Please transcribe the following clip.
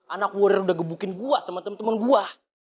anak wari udah gebukin gue sama temen temen gue